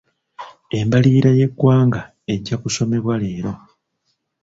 Embalirira y'eggwanga ejja kusomebwa leero.